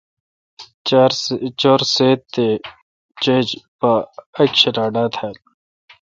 چار سیت تے°چھج پا اک چھلا ڈھا تال۔